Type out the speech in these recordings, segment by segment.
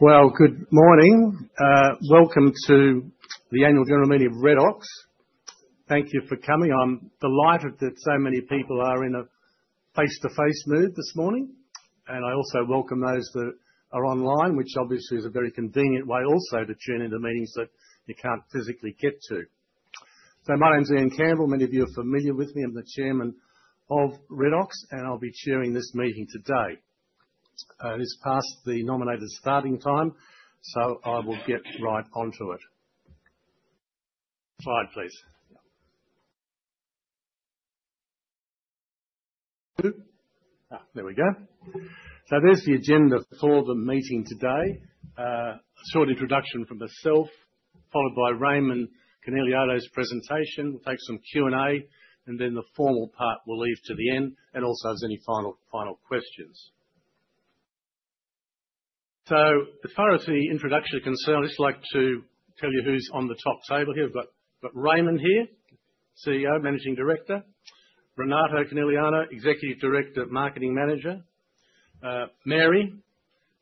Well, good morning. Welcome to the Annual General Meeting of Redox. Thank you for coming. I'm delighted that so many people are in a face-to-face mode this morning, and I also welcome those that are online, which obviously is a very convenient way also to tune into meetings that you can't physically get to. So my name's Ian Campbell. Many of you are familiar with me. I'm the Chairman of Redox, and I'll be chairing this meeting today. It's past the nominated starting time, so I will get right onto it. Slide, please. There we go. So there's the agenda for the meeting today. A short introduction from myself, followed by Raimond Coneliano's presentation. We'll take some Q&A, and then the formal part we'll leave to the end, and also if there's any final questions. So as far as the introduction is concerned, I'd just like to tell you who's on the top table here. We've got Raimond here, CEO, Managing Director, Renato Coneliano, Executive Director, Marketing Manager, Mary,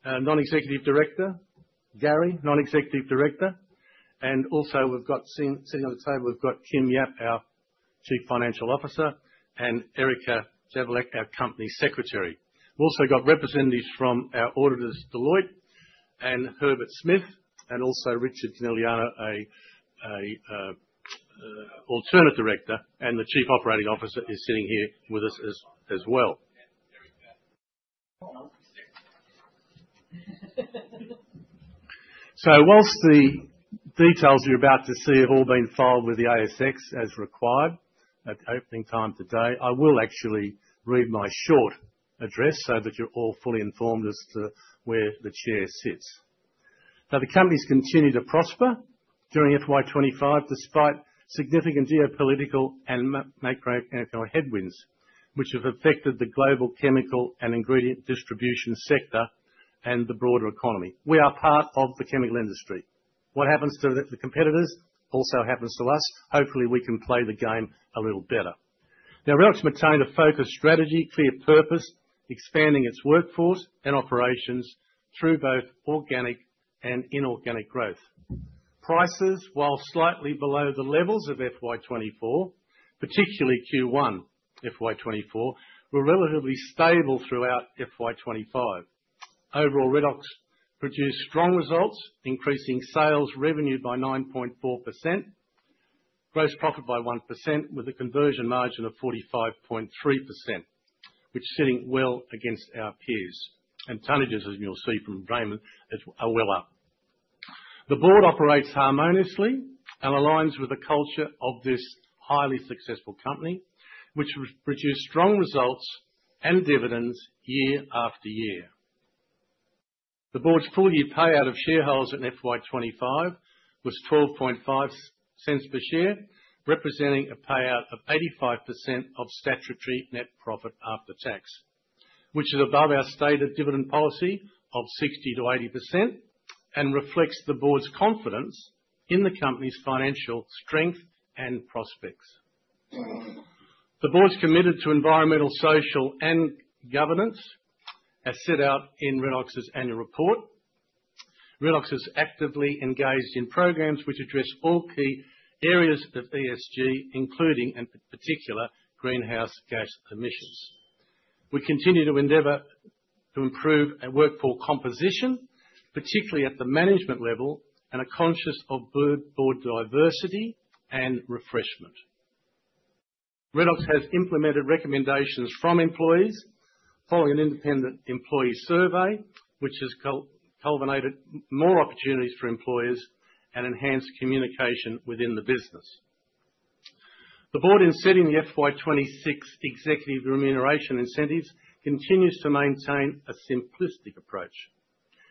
Non-Executive Director, Garry, Non-Executive Director. And also we've got sitting at the table, we've got Kim Yap, our Chief Financial Officer, and Erika Jasarevic, our Company Secretary. We've also got representatives from our auditors, Deloitte and Herbert Smith Freehills, and also Richard Coneliano, an Alternate Director, and the Chief Operating Officer is sitting here with us as well. So whilst the details you're about to see have all been filed with the ASX as required at the opening time today, I will actually read my short address so that you're all fully informed as to where the chair sits. Now, the company's continued to prosper during FY25 despite significant geopolitical and macroeconomic headwinds, which have affected the global chemical and ingredient distribution sector and the broader economy. We are part of the chemical industry. What happens to the competitors also happens to us. Hopefully, we can play the game a little better. Now, Redox has maintained a focused strategy, clear purpose, expanding its workforce and operations through both organic and inorganic growth. Prices, while slightly below the levels of FY24, particularly Q1 FY24, were relatively stable throughout FY25. Overall, Redox produced strong results, increasing sales revenue by 9.4%, gross profit by 1%, with a conversion margin of 45.3%, which is sitting well against our peers, and tonnages, as you'll see from Raimond, are well up. The board operates harmoniously and aligns with the culture of this highly successful company, which produced strong results and dividends year after year. The board's full-year payout of shareholders in FY25 was 0.125 per share, representing a payout of 85% of statutory net profit after tax, which is above our stated dividend policy of 60%-80% and reflects the board's confidence in the company's financial strength and prospects. The board's committed to Environmental, Social, and Governance, as set out in Redox's annual report. Redox has actively engaged in programs which address all key areas of ESG, including, in particular, greenhouse gas emissions. We continue to endeavor to improve our workforce composition, particularly at the management level, and are conscious of board diversity and refreshment. Redox has implemented recommendations from employees following an independent employee survey, which has culminated in more opportunities for employees and enhanced communication within the business. The board, in setting the FY26 executive remuneration incentives, continues to maintain a simplistic approach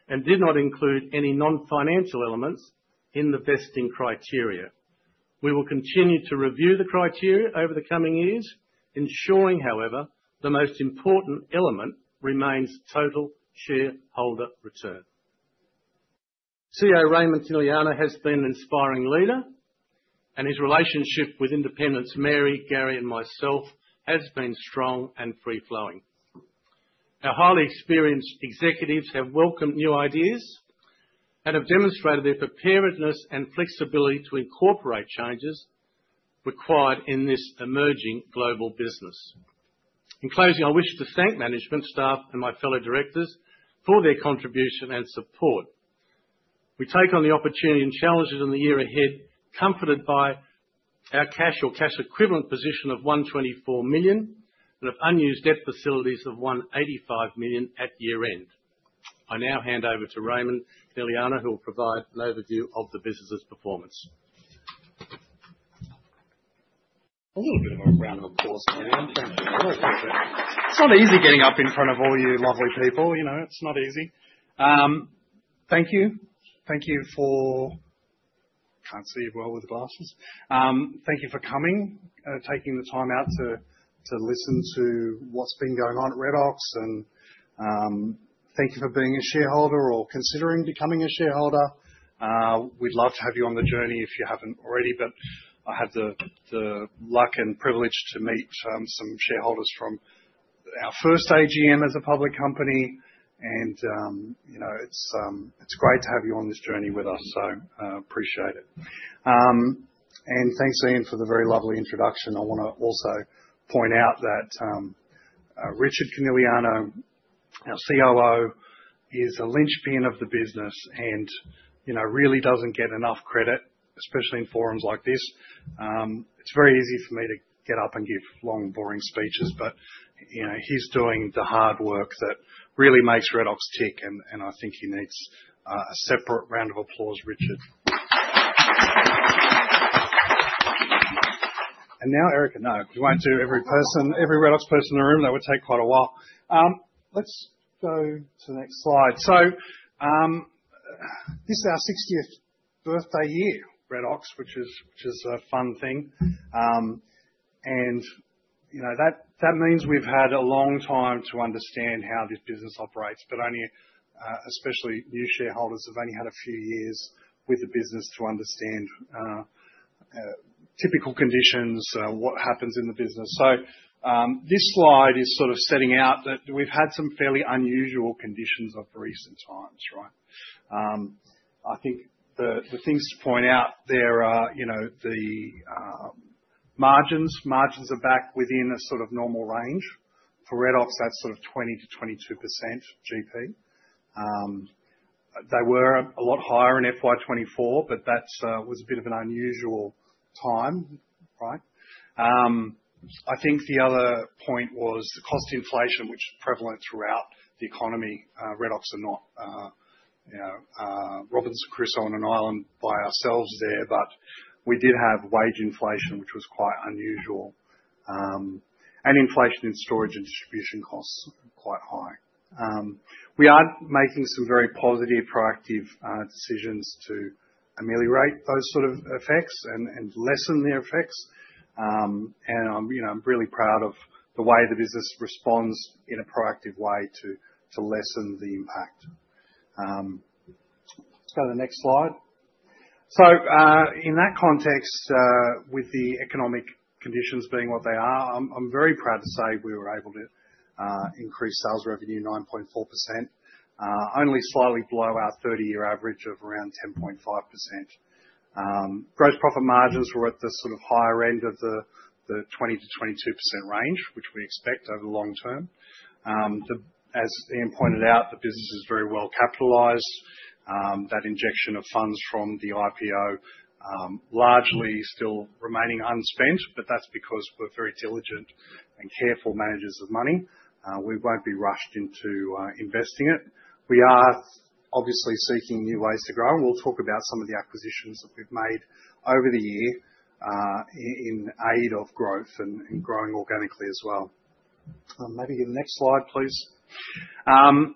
and did not include any non-financial elements in the vesting criteria. We will continue to review the criteria over the coming years, ensuring, however, the most important element remains total shareholder return. CEO Raimond Coneliano has been an inspiring leader, and his relationship with independents Mary, Garry, and myself has been strong and free-flowing. Our highly experienced executives have welcomed new ideas and have demonstrated their preparedness and flexibility to incorporate changes required in this emerging global business. In closing, I wish to thank management staff and my fellow directors for their contribution and support. We take on the opportunity and challenges in the year ahead, comforted by our cash or cash equivalent position of 124 million and of unused debt facilities of 185 million at year-end. I now hand over to Raimond Coneliano, who will provide an overview of the business's performance. A little bit of a random course, Ian. Thank you. It's not easy getting up in front of all you lovely people. You know, it's not easy. Thank you. Thank you for. Can't see you well with the glasses. Thank you for coming, taking the time out to listen to what's been going on at Redox, and thank you for being a shareholder or considering becoming a shareholder. We'd love to have you on the journey if you haven't already, but I had the luck and privilege to meet some shareholders from our first AGM as a public company, and it's great to have you on this journey with us, so I appreciate it, and thanks, Ian, for the very lovely introduction. I want to also point out that Richard Coneliano, our COO, is a linchpin of the business and really doesn't get enough credit, especially in forums like this. It's very easy for me to get up and give long, boring speeches, but he's doing the hard work that really makes Redox tick, and I think he needs a separate round of applause, Richard. And now, Erika, no, we won't do every Redox person in the room. That would take quite a while. Let's go to the next slide. So this is our 60th birthday year, Redox, which is a fun thing. And that means we've had a long time to understand how this business operates, but especially new shareholders have only had a few years with the business to understand typical conditions, what happens in the business. So this slide is sort of setting out that we've had some fairly unusual conditions of recent times, right? I think the things to point out there are the margins. Margins are back within a sort of normal range. For Redox, that's sort of 20%-22% GP. They were a lot higher in FY24, but that was a bit of an unusual time, right? I think the other point was the cost inflation, which is prevalent throughout the economy. Redox are not Robinson Crusoe on an island by ourselves there, but we did have wage inflation, which was quite unusual, and inflation in storage and distribution costs quite high. We are making some very positive, proactive decisions to ameliorate those sort of effects and lessen their effects, and I'm really proud of the way the business responds in a proactive way to lessen the impact. Let's go to the next slide. So in that context, with the economic conditions being what they are, I'm very proud to say we were able to increase sales revenue 9.4%, only slightly below our 30-year average of around 10.5%. Gross profit margins were at the sort of higher end of the 20%-22% range, which we expect over the long term. As Ian pointed out, the business is very well capitalized. That injection of funds from the IPO largely still remaining unspent, but that's because we're very diligent and careful managers of money. We won't be rushed into investing it. We are obviously seeking new ways to grow. We'll talk about some of the acquisitions that we've made over the year in aid of growth and growing organically as well. Maybe the next slide, please.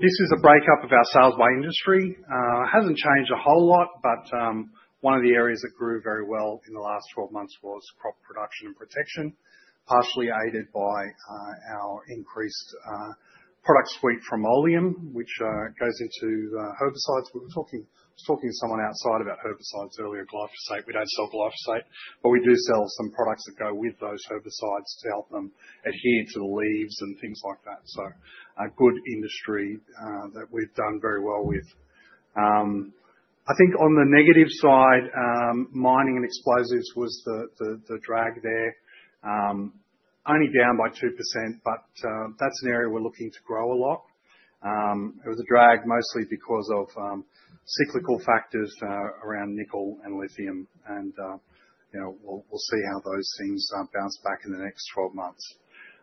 This is a breakdown of our sales by industry. It hasn't changed a whole lot, but one of the areas that grew very well in the last 12 months was crop production and protection, partially aided by our increased product suite from Oleum, which goes into herbicides. We were talking to someone outside about herbicides earlier, glyphosate. We don't sell glyphosate, but we do sell some products that go with those herbicides to help them adhere to the leaves and things like that. So a good industry that we've done very well with. I think on the negative side, mining and explosives was the drag there, only down by 2%, but that's an area we're looking to grow a lot. It was a drag mostly because of cyclical factors around nickel and lithium, and we'll see how those things bounce back in the next 12 months.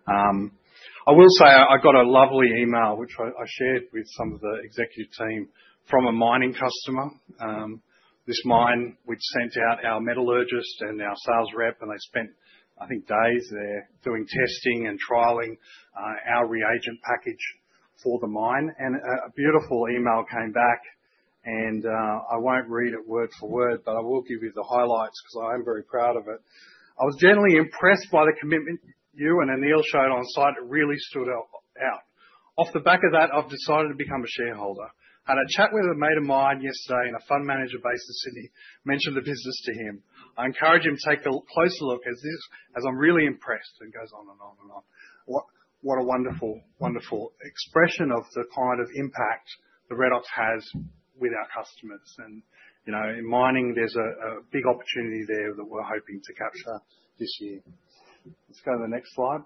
I will say I got a lovely email, which I shared with some of the executive team, from a mining customer. This mine sent out our metallurgist and our sales rep, and they spent, I think, days there doing testing and trialing our reagent package for the mine. And a beautiful email came back, and I won't read it word for word, but I will give you the highlights because I am very proud of it. I was generally impressed by the commitment you and Anil showed on site. It really stood out. Off the back of that, I've decided to become a shareholder. Had a chat with a mate of mine yesterday, and a fund manager based in Sydney mentioned the business to him. I encourage him to take a closer look as I'm really impressed, and it goes on and on and on. What a wonderful, wonderful expression of the kind of impact that Redox has with our customers. And in mining, there's a big opportunity there that we're hoping to capture this year. Let's go to the next slide.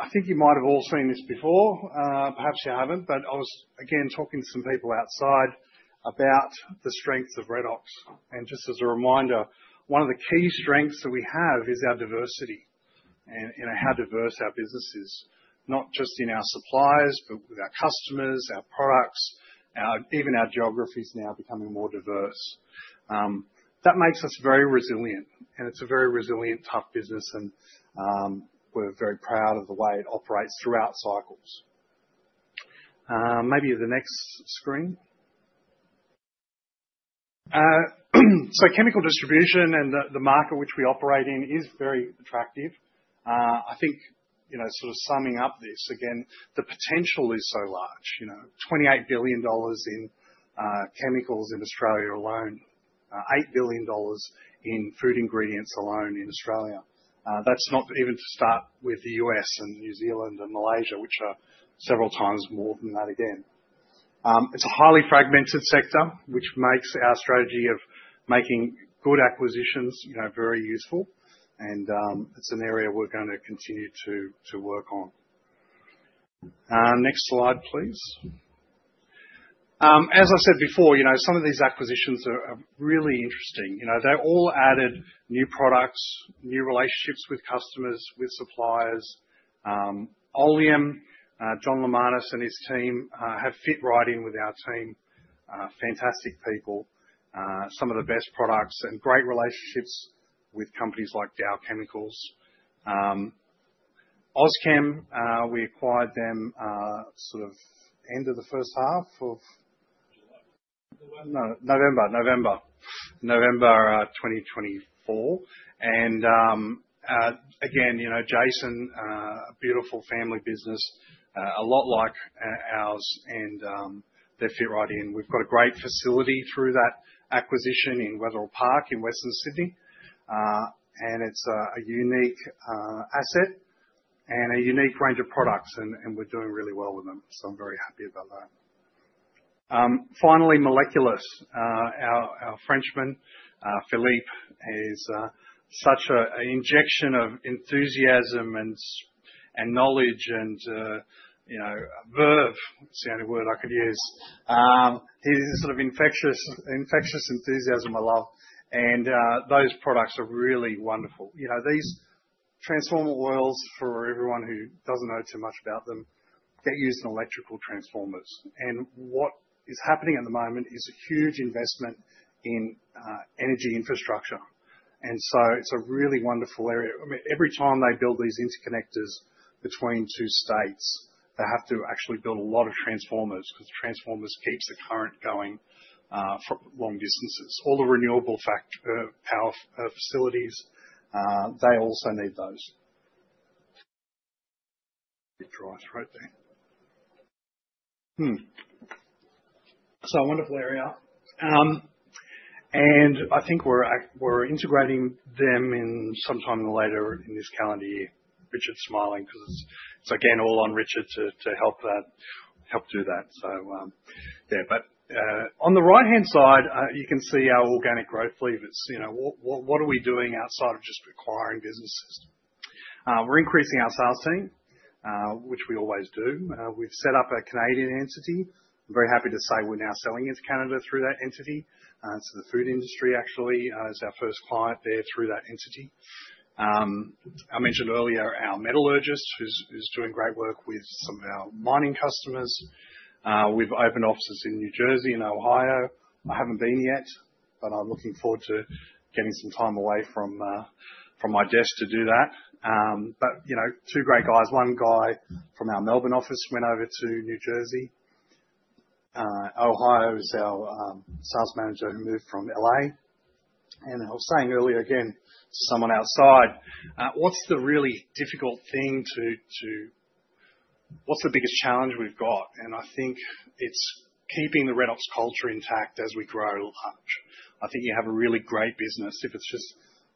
I think you might have all seen this before. Perhaps you haven't, but I was, again, talking to some people outside about the strengths of Redox, and just as a reminder, one of the key strengths that we have is our diversity and how diverse our business is, not just in our suppliers, but with our customers, our products, even our geography is now becoming more diverse. That makes us very resilient, and it's a very resilient, tough business, and we're very proud of the way it operates throughout cycles. Maybe the next screen, so chemical distribution and the market which we operate in is very attractive. I think sort of summing up this again, the potential is so large. 28 billion dollars in chemicals in Australia alone, 8 billion dollars in food ingredients alone in Australia. That's not even to start with the U.S. and New Zealand and Malaysia, which are several times more than that again. It's a highly fragmented sector, which makes our strategy of making good acquisitions very useful, and it's an area we're going to continue to work on. Next slide, please. As I said before, some of these acquisitions are really interesting. They all added new products, new relationships with customers, with suppliers. Oleum, John Lemman and his team have fit right in with our team. Fantastic people, some of the best products and great relationships with companies like Dow Chemical Company. OzChem, we acquired them sort of end of the first half of November, November 2024, and again, Jason, a beautiful family business, a lot like ours, and they fit right in. We've got a great facility through that acquisition in Wetherill Park in Western Sydney, and it's a unique asset and a unique range of products, and we're doing really well with them, so I'm very happy about that. Finally, Moleculus, our Frenchman, Philippe, is such an injection of enthusiasm and knowledge and verve. It's the only word I could use. He's sort of infectious enthusiasm I love, and those products are really wonderful. These transformer oils, for everyone who doesn't know too much about them, get used in electrical transformers. And what is happening at the moment is a huge investment in energy infrastructure, and so it's a really wonderful area. Every time they build these interconnectors between two states, they have to actually build a lot of transformers because transformers keep the current going for long distances. All the renewable power facilities, they also need those. Dry throat there. So a wonderful area. And I think we're integrating them sometime later in this calendar year. Richard's smiling because it's again all on Richard to help do that. So yeah, but on the right-hand side, you can see our organic growth lever. It's what are we doing outside of just acquiring businesses? We're increasing our sales team, which we always do. We've set up a Canadian entity. I'm very happy to say we're now selling into Canada through that entity. So the food industry actually is our first client there through that entity. I mentioned earlier our metallurgist, who's doing great work with some of our mining customers. We've opened offices in New Jersey and Ohio. I haven't been yet, but I'm looking forward to getting some time away from my desk to do that. But two great guys. One guy from our Melbourne office went over to New Jersey. Ohio is our sales manager who moved from LA. And I was saying earlier again to someone outside, what's the really difficult thing to—what's the biggest challenge we've got? And I think it's keeping the Redox culture intact as we grow large. I think you have a really great business. If it's just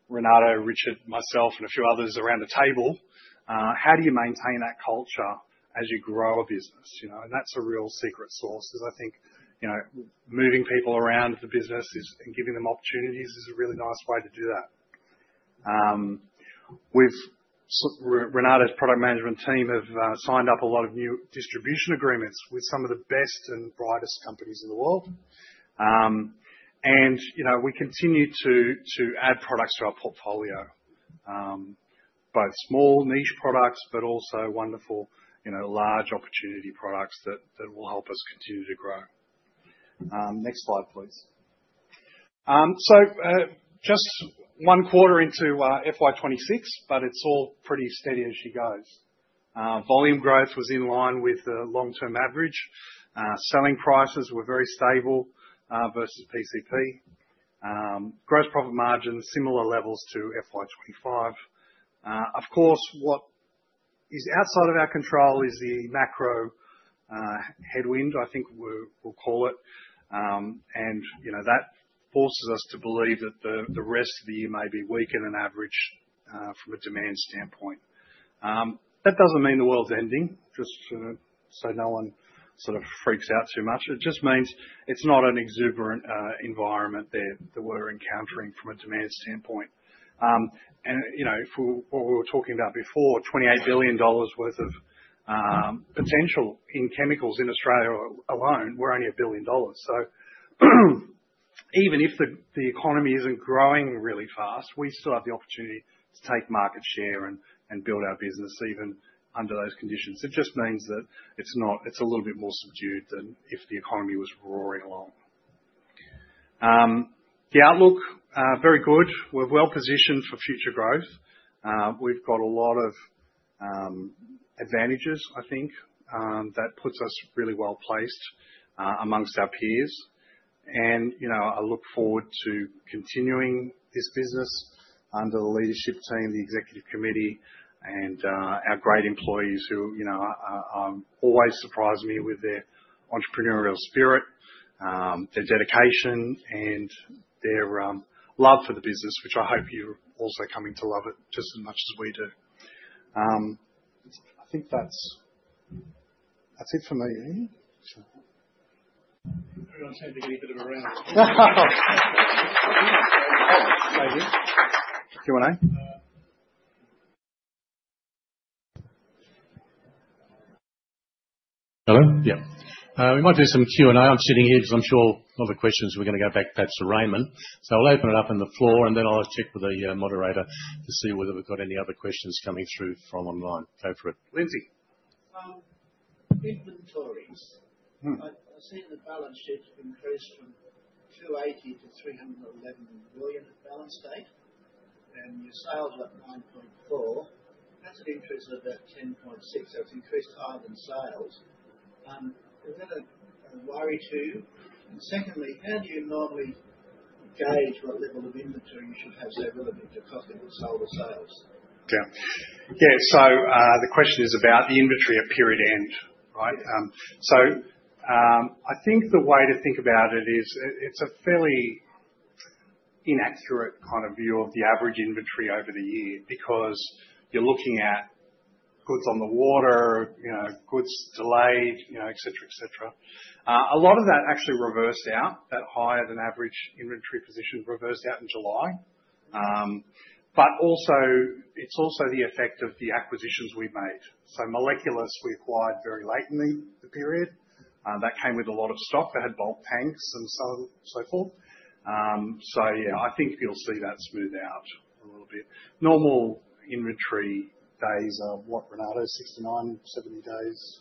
Renato, Richard, myself, and a few others around the table, how do you maintain that culture as you grow a business? And that's a real secret sauce because I think moving people around the business and giving them opportunities is a really nice way to do that. Renato's product management team have signed up a lot of new distribution agreements with some of the best and brightest companies in the world. And we continue to add products to our portfolio, both small niche products, but also wonderful large opportunity products that will help us continue to grow. Next slide, please. So just one quarter into FY26, but it's all pretty steady as she goes. Volume growth was in line with the long-term average. Selling prices were very stable versus PCP. Gross profit margins, similar levels to FY25. Of course, what is outside of our control is the macro headwind, I think we'll call it. And that forces us to believe that the rest of the year may be weaker than average from a demand standpoint. That doesn't mean the world's ending, just so no one sort of freaks out too much. It just means it's not an exuberant environment that we're encountering from a demand standpoint. And for what we were talking about before, 28 billion dollars worth of potential in chemicals in Australia alone, we're only 1 billion dollars. So even if the economy isn't growing really fast, we still have the opportunity to take market share and build our business even under those conditions. It just means that it's a little bit more subdued than if the economy was roaring along. The outlook, very good. We're well positioned for future growth. We've got a lot of advantages, I think, that puts us really well placed among our peers. And I look forward to continuing this business under the leadership team, the executive committee, and our great employees who always surprise me with their entrepreneurial spirit, their dedication, and their love for the business, which I hope you're also coming to love it just as much as we do. I think that's it for me. Yeah. We might do some Q&A. I'm sitting here because I'm sure a lot of the questions we're going to go back to that to Raymond. So I'll open it up to the floor, and then I'll check with the moderator to see whether we've got any other questions coming through from online. Go for it, Lindsay. Inventories. I've seen the balance sheet increase from 280 million to 311 million at balance date, and your sales are at 9.4. That's an increase of about 10.6. That's increased higher than sales. Is that a worry to you? And secondly, how do you normally gauge what yeah. So the question is about the inventory at period end, right? So I think the way to think about it is it's a fairly inaccurate kind of view of the average inventory over the year because you're looking at goods on the water, goods delayed, etc., etc. A lot of that actually reversed out. That higher-than-average inventory position reversed out in July. But it's also the effect of the acquisitions we made. So Moleculus, we acquired very late in the period. That came with a lot of stock that had bulk tanks and so forth. So yeah, I think you'll see that smooth out a little bit. Normal inventory days are what, Renato? 69, 70 days?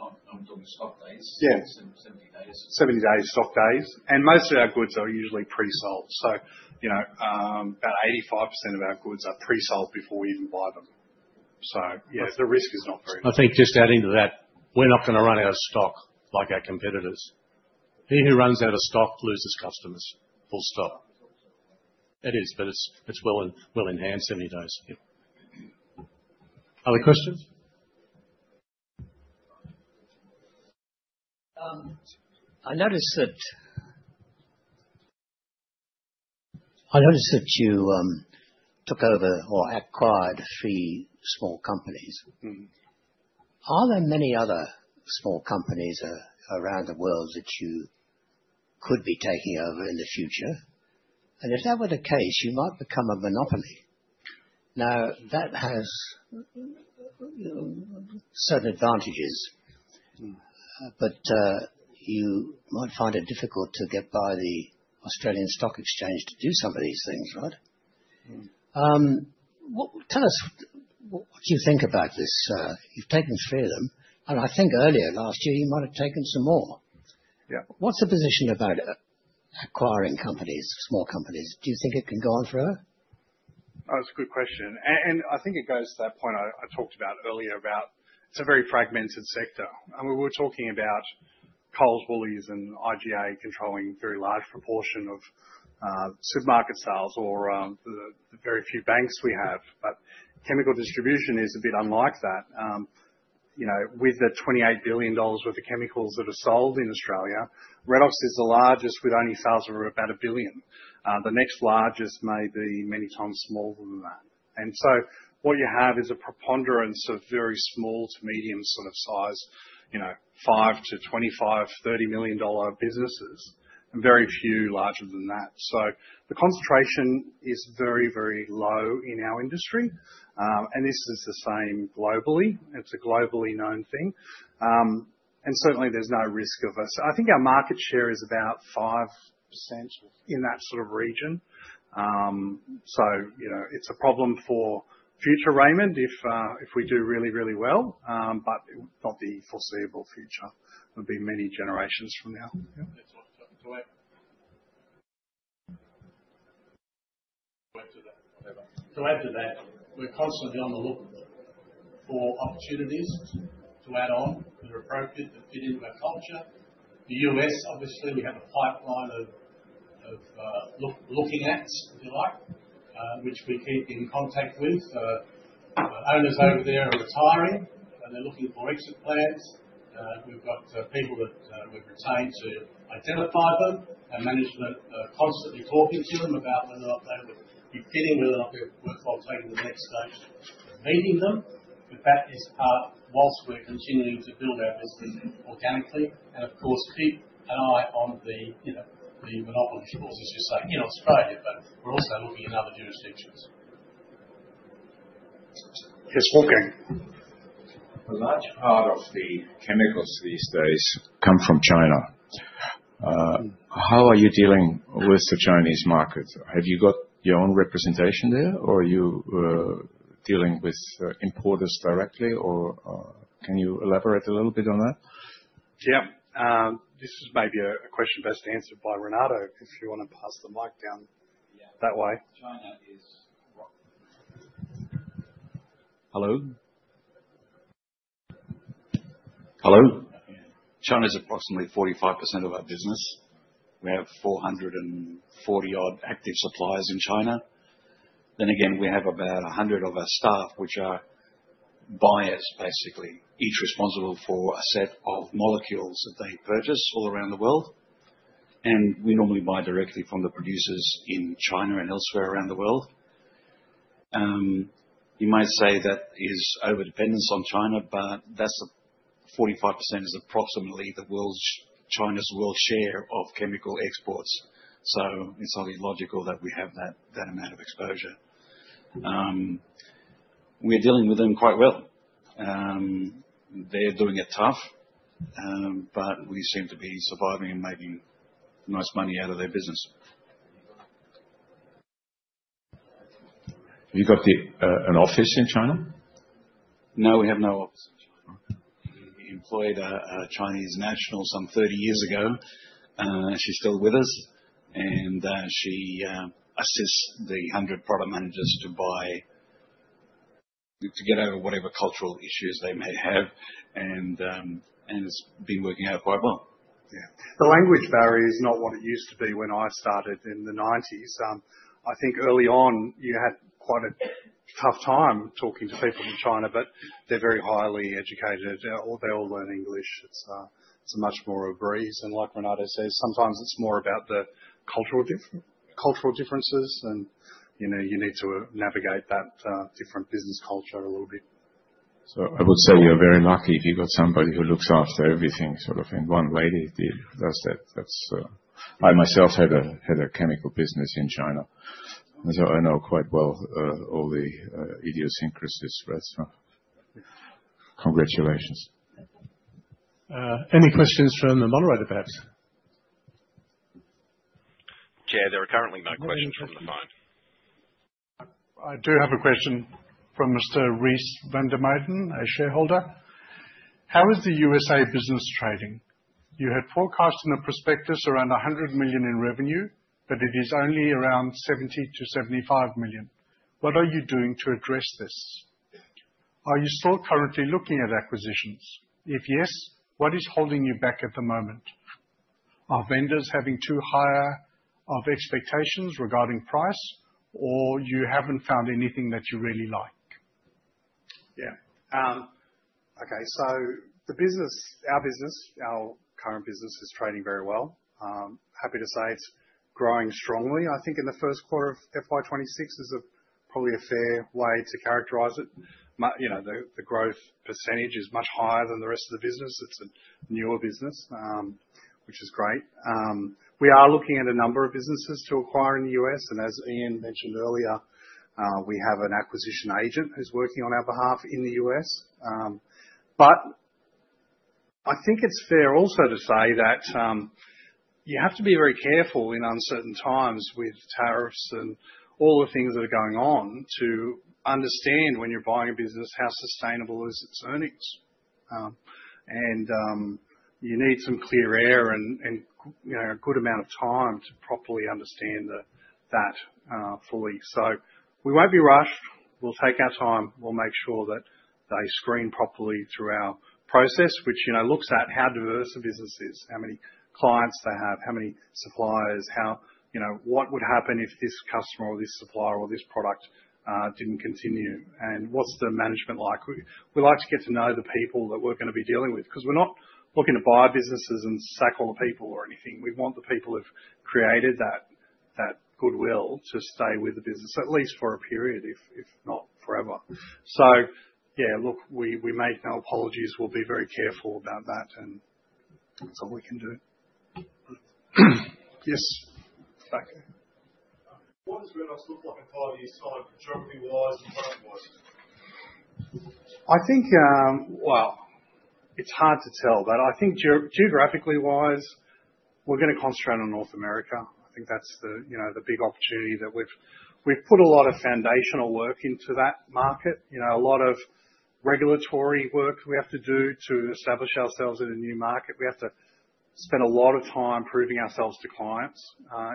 On the stock days? Yeah. 70 days. 70 days, stock days. And most of our goods are usually pre-sold. So about 85% of our goods are pre-sold before we even buy them. So yeah, the risk is not very high. I think just adding to that, we're not going to run out of stock like our competitors. Anyone who runs out of stock loses customers. Full stop. It is, but it's well entrenched nowadays. Yeah. Other questions? I noticed that you took over or acquired three small companies. Are there many other small companies around the world that you could be taking over in the future? And if that were the case, you might become a monopoly. Now, that has certain advantages, but you might find it difficult to get by the Australian Stock Exchange to do some of these things, right? Tell us what you think about this. You've taken three of them. And I think earlier last year, you might have taken some more. What's the position about acquiring companies, small companies? Do you think it can go on forever? That's a good question. And I think it goes to that point I talked about earlier about it's a very fragmented sector. And we were talking about Coles, Woolworths, and IGA controlling a very large proportion of supermarket sales or the very few banks we have. But chemical distribution is a bit unlike that. With the 28 billion dollars worth of chemicals that are sold in Australia, Redox is the largest with only sales of about 1 billion. The next largest may be many times smaller than that. And so what you have is a preponderance of very small to medium sort of size, five to 25, 30 million dollar businesses, and very few larger than that. So the concentration is very, very low in our industry. And this is the same globally. It's a globally known thing. And certainly, there's no risk of us. I think our market share is about 5% in that sort of region. So it's a problem for future Raimond if we do really, really well, but not the foreseeable future. It'll be many generations from now. Yeah. To add to that, we're constantly on the lookout for opportunities to add on that are appropriate that fit into our culture. The U.S., obviously, we have a pipeline of looking at, if you like, which we keep in contact with. Owners over there are retiring, and they're looking for exit plans. We've got people that we've retained to identify them. Our management are constantly talking to them about whether or not they would be fitting, whether or not they would work while taking the next stage of meeting them. But that is part whilst we're continuing to build our business organically. And of course, keep an eye on the monopoly, as you say, in Australia, but we're also looking in other jurisdictions. Yes, Walking. A large part of the chemicals these days come from China. How are you dealing with the Chinese market? Have you got your own representation there, or are you dealing with importers directly, or can you elaborate a little bit on that? Yeah. This is maybe a question best answered by Renato if you want to pass the mic down that way. Hello? Hello? China is approximately 45% of our business. We have 440-odd active suppliers in China. Then again, we have about 100 of our staff, which are buyers, basically, each responsible for a set of molecules that they purchase all around the world. And we normally buy directly from the producers in China and elsewhere around the world. You might say that is over-dependence on China, but that's 45% is approximately China's world share of chemical exports. So it's only logical that we have that amount of exposure. We're dealing with them quite well. They're doing it tough, but we seem to be surviving and making nice money out of their business. Have you got an office in China? No, we have no office in China. We employed a Chinese national some 30 years ago. She's still with us. And she assists the 100 product managers to get over whatever cultural issues they may have. And it's been working out quite well. Yeah. The language barrier is not what it used to be when I started in the 1990s. I think early on, you had quite a tough time talking to people in China, but they're very highly educated. They all learn English. It's much more a breeze. And like Renato says, sometimes it's more about the cultural differences, and you need to navigate that different business culture a little bit. So I would say you're very lucky if you've got somebody who looks after everything sort of in one way. I myself had a chemical business in China. I know quite well all the idiosyncrasies, right? So congratulations. Any questions from the moderator, perhaps? Chair, there are currently no questions from the phone. I do have a question from Mr. Rhys van der Meyden, a shareholder. How is the USA business trading? You had forecast in the prospectus around 100 million in revenue, but it is only around 70-75 million. What are you doing to address this? Are you still currently looking at acquisitions? If yes, what is holding you back at the moment? Are vendors having too high of expectations regarding price, or you haven't found anything that you really like? Yeah. Okay. So our business, our current business, is trading very well. Happy to say it's growing strongly. I think in the first quarter of FY26 is probably a fair way to characterize it. The growth percentage is much higher than the rest of the business. It's a newer business, which is great. We are looking at a number of businesses to acquire in the U.S. And as Ian mentioned earlier, we have an acquisition agent who's working on our behalf in the U.S. But I think it's fair also to say that you have to be very careful in uncertain times with tariffs and all the things that are going on to understand when you're buying a business, how sustainable is its earnings? And you need some clear air and a good amount of time to properly understand that fully. So we won't be rushed. We'll take our time. We'll make sure that they screen properly through our process, which looks at how diverse a business is, how many clients they have, how many suppliers, what would happen if this customer or this supplier or this product didn't continue, and what's the management like. We like to get to know the people that we're going to be dealing with because we're not looking to buy businesses and sack all the people or anything. We want the people who've created that goodwill to stay with the business, at least for a period, if not forever. So yeah, look, we make no apologies. We'll be very careful about that, and that's all we can do. Yes. I think, well, it's hard to tell, but I think geographically-wise, we're going to concentrate on North America. I think that's the big opportunity that we've put a lot of foundational work into that market. A lot of regulatory work we have to do to establish ourselves in a new market. We have to spend a lot of time proving ourselves to clients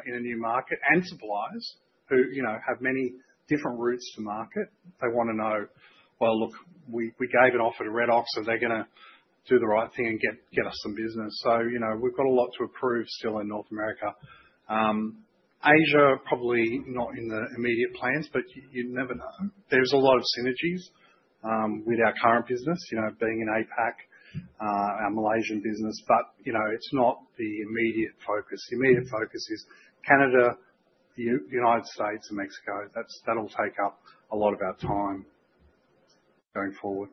in a new market and suppliers who have many different routes to market. They want to know, well, look, we gave an offer to Redox, and they're going to do the right thing and get us some business. So we've got a lot to prove still in North America. Asia, probably not in the immediate plans, but you never know. There's a lot of synergies with our current business, being in APAC, our Malaysian business. But it's not the immediate focus. The immediate focus is Canada, the United States, and Mexico. That'll take up a lot of our time going forward.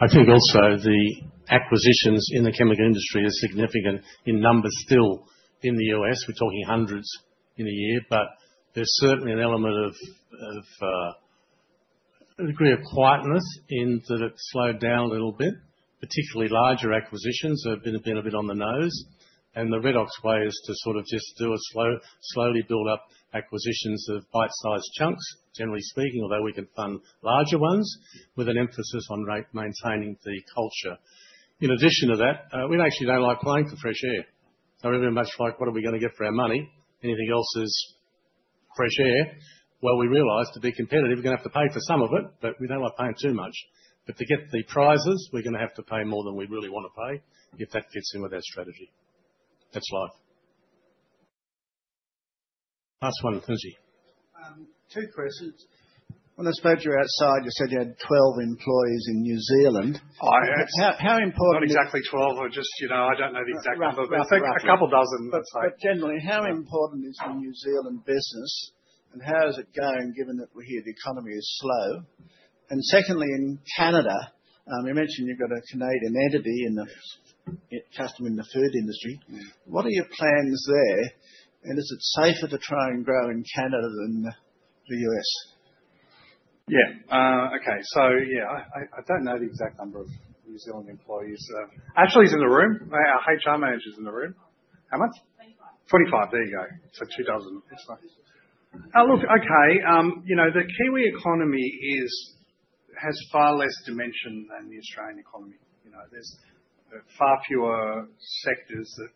I think also the acquisitions in the chemical industry are significant in numbers still in the U.S. We're talking hundreds in a year. But there's certainly an element of a degree of quietness in that it's slowed down a little bit. Particularly larger acquisitions have been a bit on the nose. And the Redox way is to sort of just do a slowly build-up acquisitions of bite-sized chunks, generally speaking, although we can fund larger ones with an emphasis on maintaining the culture. In addition to that, we actually don't like playing for fresh air. So we're very much like, what are we going to get for our money? Anything else is fresh air. Well, we realize to be competitive, we're going to have to pay for some of it, but we don't like paying too much. But to get the prices, we're going to have to pay more than we really want to pay if that fits in with our strategy. That's life. Last one, Kunzi. Two questions. When I spoke to you outside, you said you had 12 employees in New Zealand. How important is that? Not exactly 12. I don't know the exact number, but a couple dozen, let's say. But generally, how important is the New Zealand business, and how is it going given that we're here? The economy is slow. And secondly, in Canada, you mentioned you've got a Canadian entity in the custom in the food industry. What are your plans there? And is it safer to try and grow in Canada than the U.S.? Yeah. Okay. So yeah, I don't know the exact number of New Zealand employees. Ashley's in the room. Our HR manager's in the room. How much? 25. 25. There you go. So two dozen. Look, okay. The Kiwi economy has far less dimension than the Australian economy. There's far fewer sectors that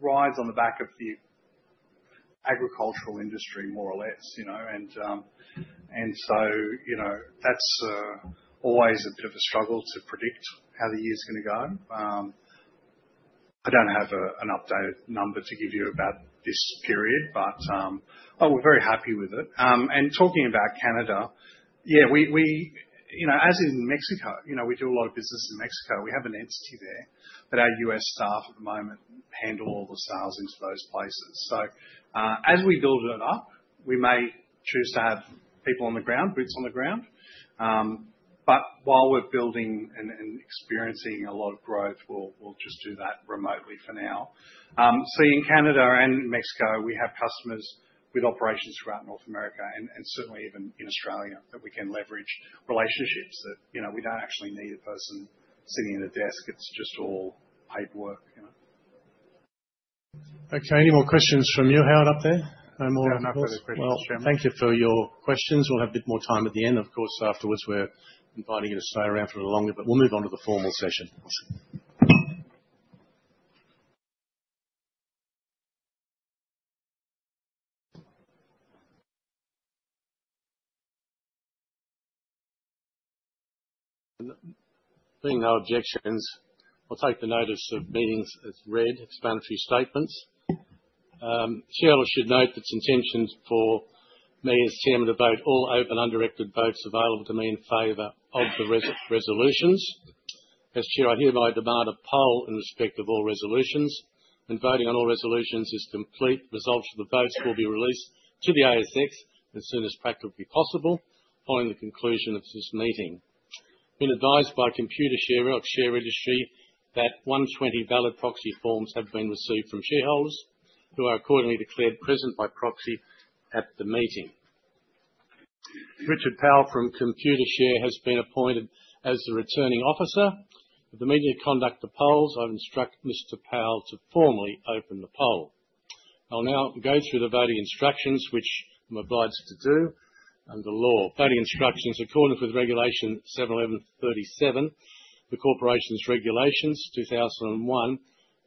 ride on the back of the agricultural industry, more or less. And so that's always a bit of a struggle to predict how the year's going to go. I don't have an updated number to give you about this period, but we're very happy with it. And talking about Canada, yeah, as in Mexico, we do a lot of business in Mexico. We have an entity there that our U.S. staff at the moment handle all the sales into those places. So as we build it up, we may choose to have people on the ground, boots on the ground. But while we're building and experiencing a lot of growth, we'll just do that remotely for now. See, in Canada and Mexico, we have customers with operations throughout North America and certainly even in Australia that we can leverage relationships that we don't actually need a person sitting at a desk. It's just all paperwork. Okay. Any more questions from you? Howard up there. No more questions. Thank you for your questions. We'll have a bit more time at the end. Of course, afterwards, we're inviting you to stay around for a little longer, but we'll move on to the formal session. Seeing no objections, I'll take the notice of meetings as read, explanatory statements. Chair, I should note that it's my intention for me as chairman to vote all open undirected votes available to me in favor of the resolutions. As chair, I hereby demand a poll in respect of all resolutions. When voting on all resolutions is complete, the results of the votes will be released to the ASX as soon as practically possible following the conclusion of this meeting. I've been advised by Computershare, our share registry, that 120 valid proxy forms have been received from shareholders who are accordingly declared present by proxy at the meeting. Richard Powell from Computershare has been appointed as the returning officer. With the immediate conduct of polls, I've instructed Mr. Powell to formally open the poll. I'll now go through the voting instructions, which I'm obliged to do under law. Voting instructions according to Regulation 7.11.37, the Corporations Regulations 2001.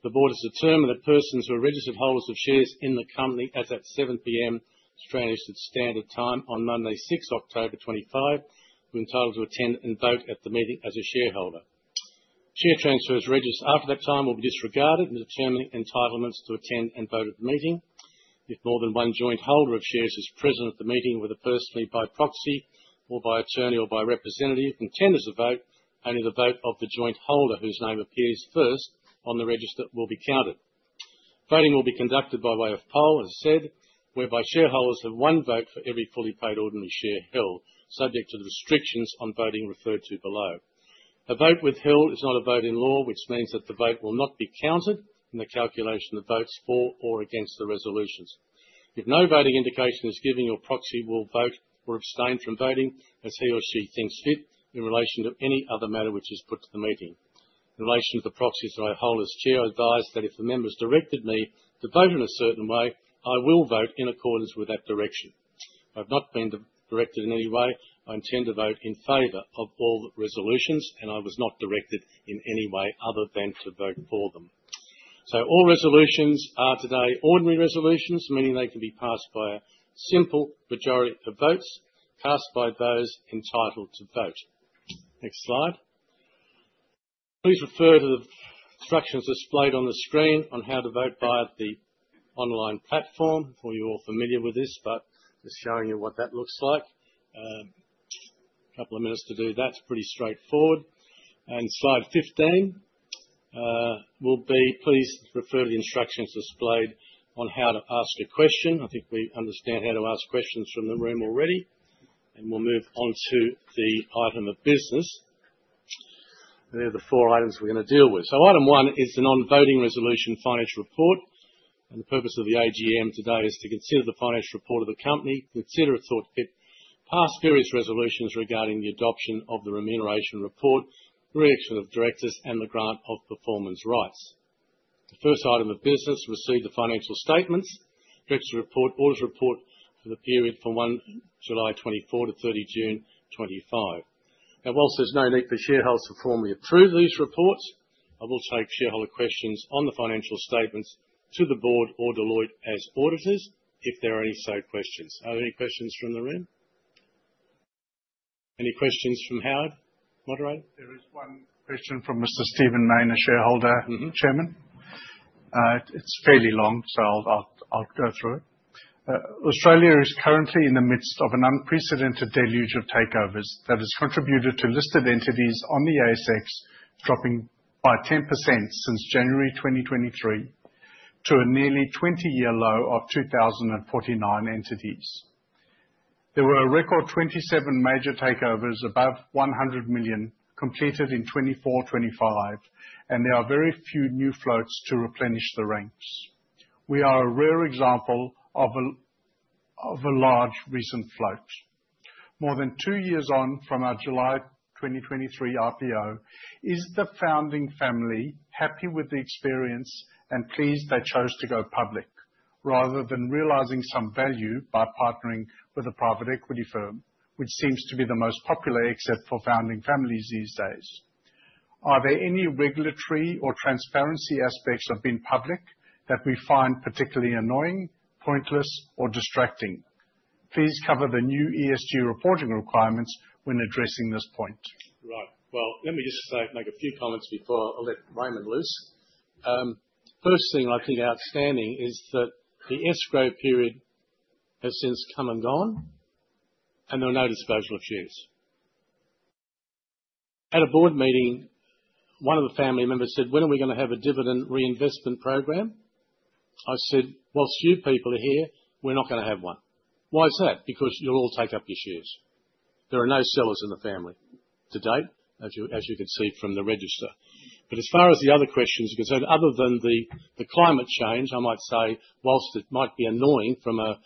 The board has determined that persons who are registered holders of shares in the company as at 7:00 P.M. Australian Standard Time on Monday, 6 October 2025, were entitled to attend and vote at the meeting as a shareholder. Share transfers registered after that time will be disregarded in determining entitlements to attend and vote at the meeting. If more than one joint holder of shares is present at the meeting with a person by proxy or by attorney or by representative contending to vote, only the vote of the joint holder whose name appears first on the register will be counted. Voting will be conducted by way of poll, as said, whereby shareholders have one vote for every fully paid ordinary share held, subject to the restrictions on voting referred to below. A vote withheld is not a vote in law, which means that the vote will not be counted in the calculation of votes for or against the resolutions. If no voting indication is given, your proxy will vote or abstain from voting as he or she thinks fit in relation to any other matter which is put to the meeting. In relation to the proxies that I hold as Chair, I advise that if the members directed me to vote in a certain way, I will vote in accordance with that direction. I have not been directed in any way. I intend to vote in favor of all resolutions, and I was not directed in any way other than to vote for them. So all resolutions are today ordinary resolutions, meaning they can be passed by a simple majority of votes cast by those entitled to vote. Next slide. Please refer to the instructions displayed on the screen on how to vote via the online platform. I thought you were all familiar with this, but just showing you what that looks like. A couple of minutes to do that. It's pretty straightforward, and slide 15 will be Please refer to the instructions displayed on how to ask a question. I think we understand how to ask questions from the room already, and we'll move on to the item of business. There are the four items we're going to deal with, so item one is the non-voting resolution financial report. The purpose of the AGM today is to consider the financial report of the company, consider the auditor's report, pass various resolutions regarding the adoption of the remuneration report, the reelection of directors, and the grant of performance rights. The first item of business, receive the financial statements, director's report, auditor's report for the period from July 2024 - 30 June 2025. Now, while there's no need for shareholders to formally approve these reports, I will take shareholder questions on the financial statements to the board or Deloitte as auditors if there are any such questions. Are there any questions from the room? Any questions from Howard, moderator? There is one question from Mr. Stephen Mayne, a shareholder, Chairman. It's fairly long, so I'll go through it. Australia is currently in the midst of an unprecedented deluge of takeovers that has contributed to listed entities on the ASX dropping by 10% since January 2023 to a nearly 20-year low of 2,049 entities. There were a record 27 major takeovers above 100 million completed in 2024/2025, and there are very few new floats to replenish the ranks. We are a rare example of a large recent float. More than two years on from our July 2023 IPO, is the founding family happy with the experience and pleased they chose to go public rather than realizing some value by partnering with a private equity firm, which seems to be the most popular except for founding families these days? Are there any regulatory or transparency aspects of being public that we find particularly annoying, pointless, or distracting? Please cover the new ESG reporting requirements when addressing this point. Right. Well, let me just make a few comments before I let Raimond loose. First thing I think outstanding is that the escrow period has since come and gone, and there are no disposal of shares. At a board meeting, one of the family members said, "When are we going to have a dividend reinvestment program?" I said, "Whilst you people are here, we're not going to have one." Why is that? Because you'll all take up your shares. There are no sellers in the family to date, as you can see from the register. But as far as the other questions are concerned, other than the climate change, I might say, whilst it might be annoying from a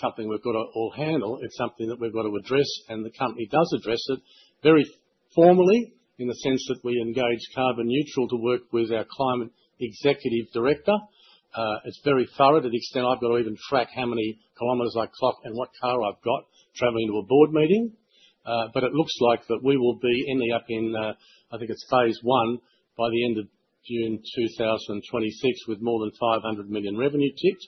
company we've got to all handle, it's something that we've got to address, and the company does address it very formally in the sense that we engage Carbon Neutral to work with our climate executive director. It's very thorough to the extent I've got to even track how many kilometers I clock and what car I've got traveling to a board meeting. But it looks like that we will be ending up in, I think it's phase one by the end of June 2026 with more than 500 million revenue ticked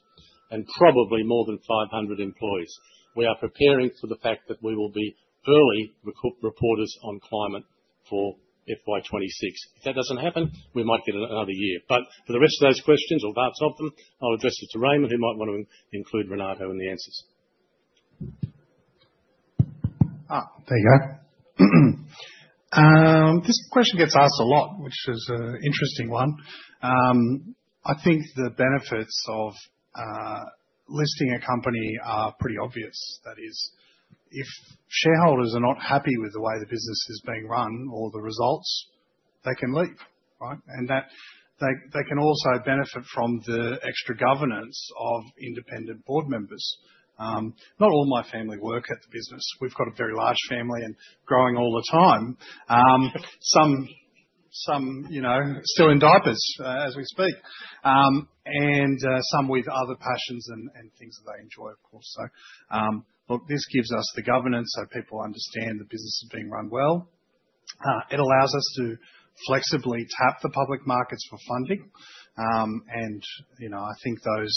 and probably more than 500 employees. We are preparing for the fact that we will be early reporters on climate for FY26. If that doesn't happen, we might get another year. But for the rest of those questions, or parts of them, I'll address it to Raimond, who might want to include Renato in the answers. There you go. This question gets asked a lot, which is an interesting one. I think the benefits of listing a company are pretty obvious. That is, if shareholders are not happy with the way the business is being run or the results, they can leave, right? And they can also benefit from the extra governance of independent board members. Not all my family work at the business. We've got a very large family and growing all the time. Some still in diapers as we speak, and some with other passions and things that they enjoy, of course. So look, this gives us the governance so people understand the business is being run well. It allows us to flexibly tap the public markets for funding. And I think those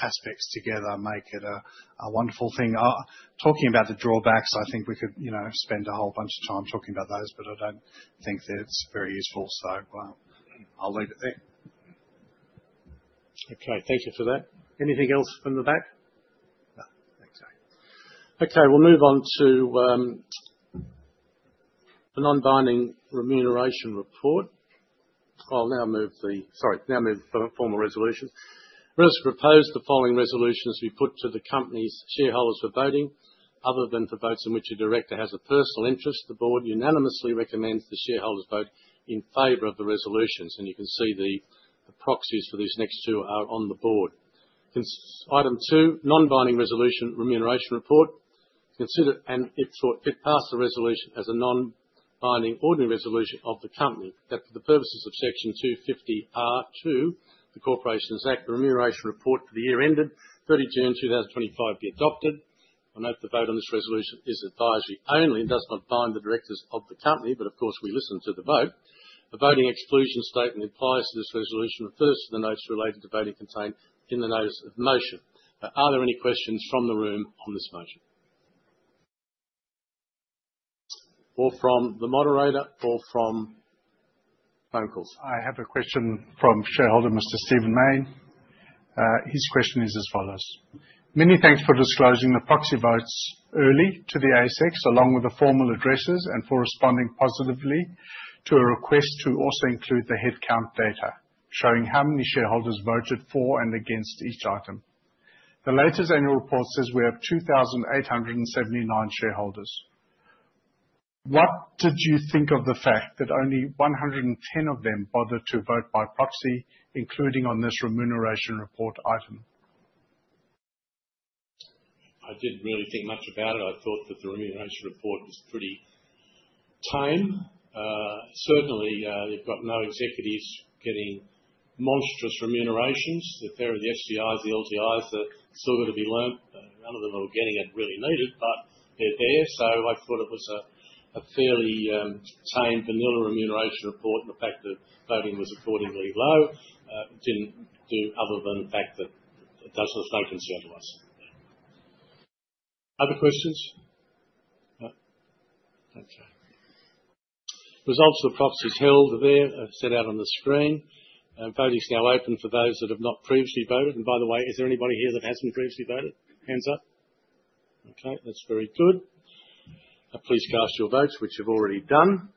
aspects together make it a wonderful thing. Talking about the drawbacks, I think we could spend a whole bunch of time talking about those, but I don't think that it's very useful, so I'll leave it there. Okay. Thank you for that. Anything else from the back? No. Okay. We'll move on to the non-binding remuneration report. I'll now move the sorry, now move the formal resolutions. Redox proposed the following resolutions to be put to the company's shareholders for voting. Other than for votes in which a director has a personal interest, the board unanimously recommends the shareholders vote in favor of the resolutions. And you can see the proxies for these next two are on the board. Item two, non-binding resolution remuneration report. Consider and if passed the resolution as a non-binding ordinary resolution of the company. That for the purposes of section 250R(2), the Corporations Act, the remuneration report for the year ended 30 June 2025 be adopted. I note the vote on this resolution is advisory only and does not bind the directors of the company, but of course, we listen to the vote. A voting exclusion statement implies that this resolution refers to the notes related to voting contained in the notice of meeting. Are there any questions from the room on this motion? Or from the moderator or from phone calls? I have a question from shareholder Mr. Stephen Mayne. His question is as follows. Many thanks for disclosing the proxy votes early to the ASX along with the formal addresses and for responding positively to a request to also include the headcount data showing how many shareholders voted for and against each item. The latest annual report says we have 2,879 shareholders. What did you think of the fact that only 110 of them bothered to vote by proxy, including on this remuneration report item? I didn't really think much about it. I thought that the remuneration report was pretty tame. Certainly, they've got no executives getting monstrous remunerations. The FAIR, the FCIs, the LTIs, they're still going to be earned. None of them are getting it really needed, but they're there. So I thought it was a fairly tame vanilla remuneration report and the fact that voting was accordingly low. It didn't do other than the fact that it doesn't make any sense to us. Other questions? No. Results of the proxies held are there, set out on the screen. Voting is now open for those that have not previously voted. And by the way, is there anybody here that hasn't previously voted? Hands up. Okay. That's very good. Please cast your votes, which you've already done.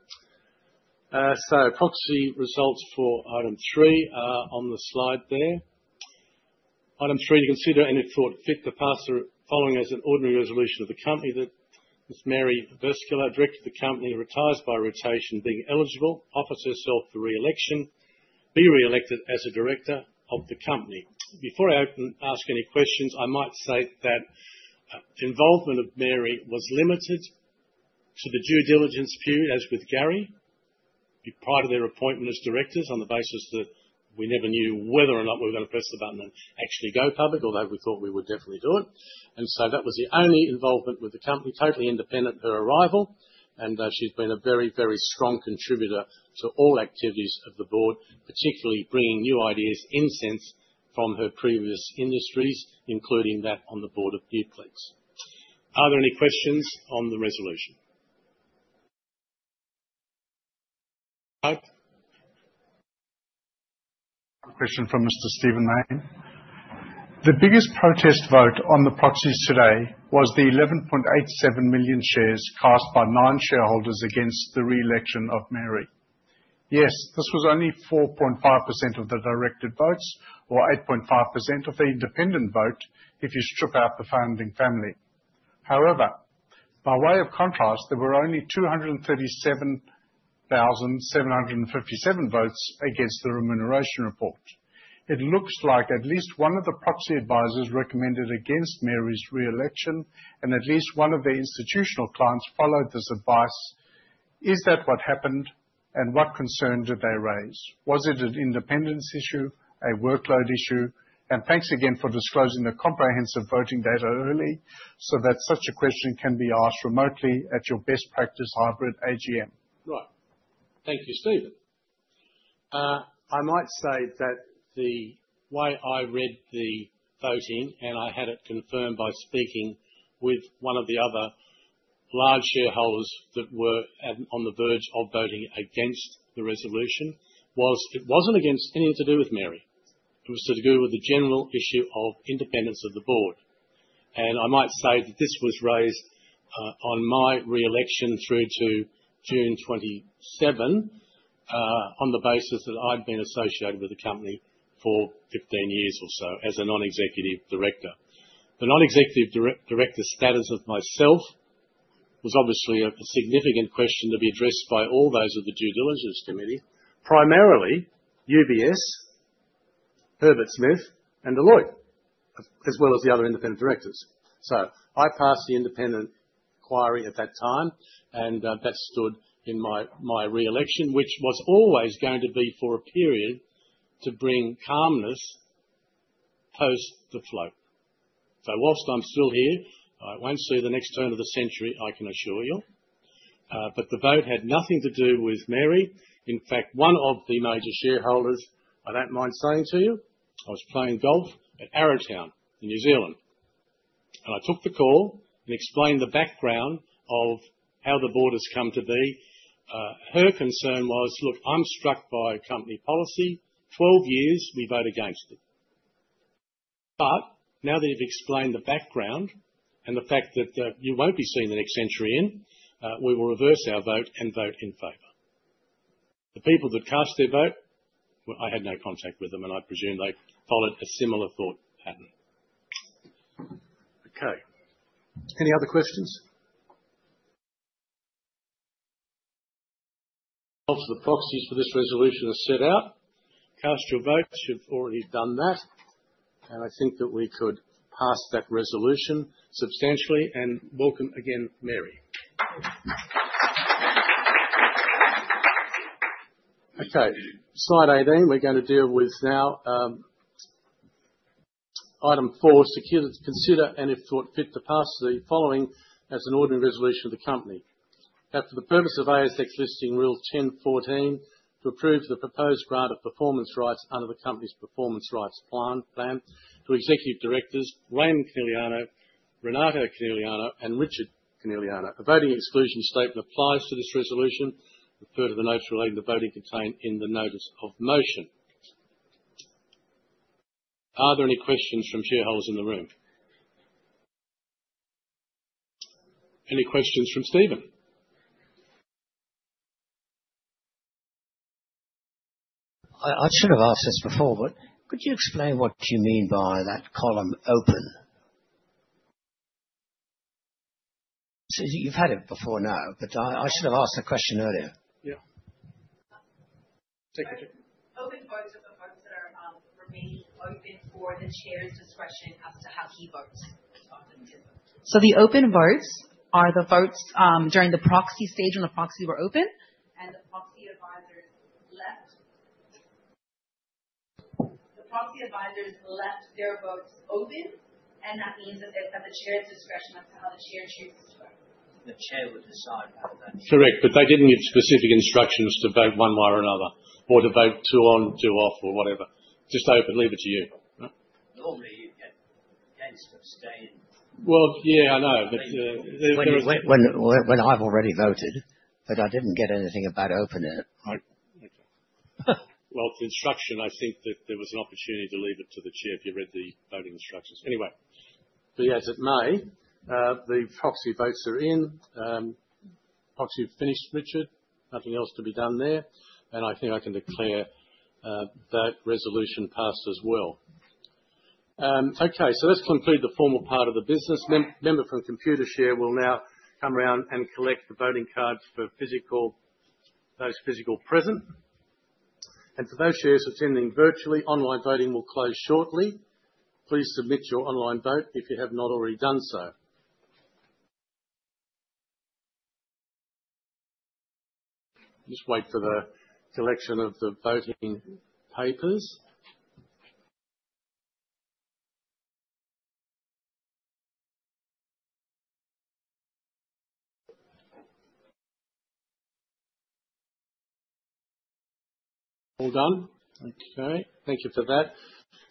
So proxy results for item three are on the slide there. Item three, to consider any thought fit to pass the following as an ordinary resolution of the company that Ms. Mary Verschuer, director of the company, retires by rotation being eligible, offers herself for re-election, be re-elected as a director of the company. Before I ask any questions, I might say that involvement of Mary was limited to the due diligence period as with Garry. Prior to their appointment as directors, on the basis that we never knew whether or not we were going to press the button and actually go public, although we thought we would definitely do it, and so that was the only involvement with the company, totally independent of her arrival, and she's been a very, very strong contributor to all activities of the board, particularly bringing new ideas in sense from her previous industries, including that on the board of Nuplex Industries. Are there any questions on the resolution? No? Question from Mr. Stephen Mayne. The biggest protest vote on the proxies today was the 11.87 million shares cast by nine shareholders against the re-election of Mary. Yes, this was only 4.5% of the directed votes or 8.5% of the independent vote if you strip out the founding family. However, by way of contrast, there were only 237,757 votes against the remuneration report. It looks like at least one of the proxy advisors recommended against Mary's re-election and at least one of the institutional clients followed this advice. Is that what happened and what concern did they raise? Was it an independence issue, a workload issue? And thanks again for disclosing the comprehensive voting data early so that such a question can be asked remotely at your best practice hybrid AGM. Right. Thank you, Stephen. I might say that the way I read the voting and I had it confirmed by speaking with one of the other large shareholders that were on the verge of voting against the resolution was it wasn't against anything to do with Mary. It was to do with the general issue of independence of the board. And I might say that this was raised on my re-election through to June 27 on the basis that I'd been associated with the company for 15 years or so as a non-executive director. The non-executive director status of myself was obviously a significant question to be addressed by all those of the due diligence committee, primarily UBS, Herbert Smith, and Deloitte, as well as the other independent directors. So I passed the independent inquiry at that time, and that stood in my re-election, which was always going to be for a period to bring calmness post the float. So whilst I'm still here, I won't see the next turn of the century, I can assure you. But the vote had nothing to do with Mary. In fact, one of the major shareholders, I don't mind saying to you, I was playing golf at Arrowtown in New Zealand. And I took the call and explained the background of how the board has come to be. Her concern was, Look, I'm struck by company policy. 12 years, we voted against it. But now that you've explained the background and the fact that you won't be seen the next century in, we will reverse our vote and vote in favor. The people that cast their vote, I had no contact with them, and I presume they followed a similar thought pattern. Okay. Any other questions? The proxies for this resolution are set out. Cast your votes. You've already done that. And I think that we could pass that resolution substantially and welcome again Mary. Okay. Slide 18. We're going to deal with now item four. Consider and if thought fit to pass the following as an ordinary resolution of the company. For the purpose of ASX listing rule 1014, to approve the proposed grant of performance rights under the company's performance rights plan to executive directors, Raymond Coneliano, Renato Coneliano, and Richard Coneliano. A voting exclusion statement applies to this resolution. Refer to the notes relating to voting contained in the notice of motion. Are there any questions from shareholders in the room? Any questions from Stephen? I should have asked this before, but could you explain what you mean by that column open? You've had it before now, but I should have asked the question earlier. Yeah. Secretary. Open votes are the votes that are remaining open for the chair's discretion as to how he votes. So the open votes are the votes during the proxy stage when the proxy were open? And the proxy advisors left. The proxy advisors left their votes open, and that means that they've had the chair's discretion as to how the chair chooses to vote. The chair would decide how that is. Correct. But they didn't give specific instructions to vote one way or another or to vote too on, too off, or whatever. Just open, leave it to you. Normally, you'd get against it staying. Well, yeah, I know. When I've already voted, but I didn't get anything about opening it. Right. Okay, well, the instruction, I think that there was an opportunity to leave it to the chair if you read the voting instructions. Anyway. But yes, it may. The proxy votes are in. Proxy finished, Richard. Nothing else to be done there, and I think I can declare that resolution passed as well. Okay, so let's conclude the formal part of the business. A member from Computershare will now come around and collect the voting cards for those physically present, and for those shares attending virtually, online voting will close shortly. Please submit your online vote if you have not already done so. Just wait for the collection of the voting papers. All done? Okay. Thank you for that.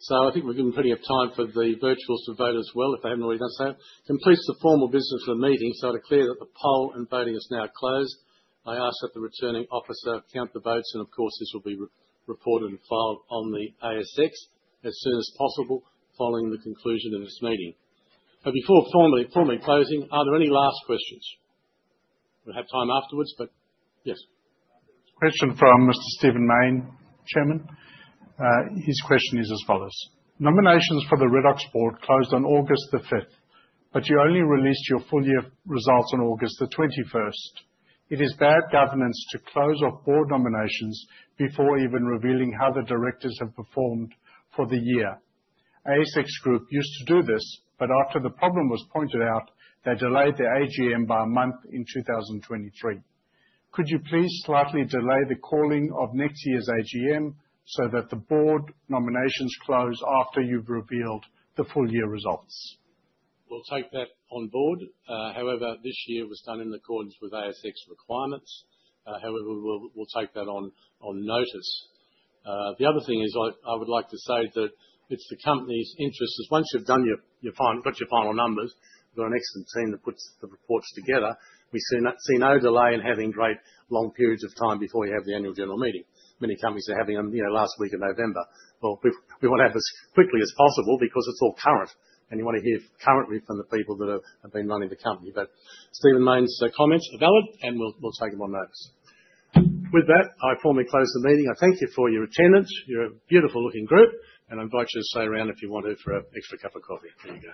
So I think we're given plenty of time for the virtual to vote as well if they haven't already done so. Completes the formal business of the meeting. So to clear that the poll and voting is now closed, I ask that the returning officer count the votes. And of course, this will be reported and filed on the ASX as soon as possible following the conclusion of this meeting. But before formally closing, are there any last questions? We'll have time afterwards, but yes. Question from Mr. Stephen Mayne, Chairman. His question is as follows. Nominations for the Redox board closed on August 5th, but you only released your full year results on August 21st. It is bad governance to close off board nominations before even revealing how the directors have performed for the year. ASX Group used to do this, but after the problem was pointed out, they delayed the AGM by a month in 2023. Could you please slightly delay the calling of next year's AGM so that the board nominations close after you've revealed the full year results? We'll take that on board. However, this year was done in accordance with ASX requirements. However, we'll take that on notice. The other thing is I would like to say that it's the company's interests. Once you've got your final numbers, you've got an excellent team that puts the reports together. We see no delay in having great long periods of time before you have the annual general meeting. Many companies are having them last week of November. Well, we want to have it as quickly as possible because it's all current, and you want to hear currently from the people that have been running the company. But Stephen Mayne's comments are valid, and we'll take them on notice. With that, I formally close the meeting. I thank you for your attendance. You're a beautiful-looking group, and I invite you to stay around if you want to for an extra cup of coffee.